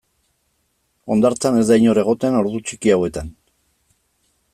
Hondartzan ez da inor egoten ordu txiki hauetan.